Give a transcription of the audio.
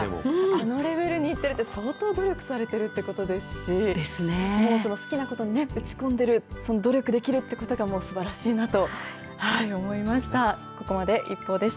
あのレベルにいくのは、相当努力されてるということですし、好きなことに打ち込んでる、努力できるってことがもうすばらしいなと思いました。